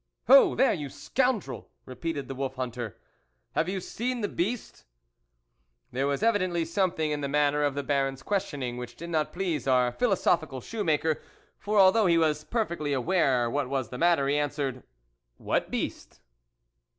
" Ho, there, you scoundrel !" repeated the wolf hunter, "have you seen the beast ?" There was evidently something in the manner of the Baron's questioning which did not please our philosophical shoe maker, for although he was perfectly aware what was the matter, he answered :" what beast